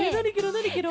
なにケロ？